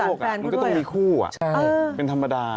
มันก็ต้องมีคู่เป็นธรรมดา